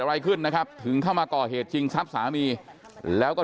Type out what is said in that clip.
อะไรขึ้นนะครับถึงเข้ามาก่อเหตุชิงทรัพย์สามีแล้วก็